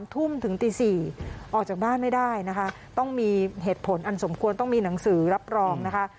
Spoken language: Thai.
ทุ่มถึงตี๔ออกจากบ้านไม่ได้นะคะต้องมีเหตุผลอันสมควรต้องมีหนังสือรับรองนะคะ